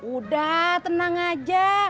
udah tenang aja